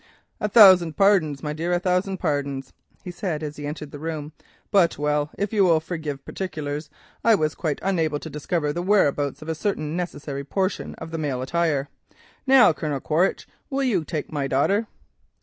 "A thousand pardons, my dear, a thousand pardons," he said as he entered the room, "but, well, if you will forgive particulars, I was quite unable to discover the whereabouts of a certain necessary portion of the male attire. Now, Colonel Quaritch, will you take my daughter?